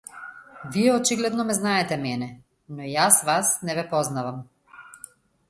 Вие очигледно ме знаете мене, но јас вас не ве познавам.